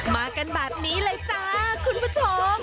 มากันแบบนี้เลยจ้าคุณผู้ชม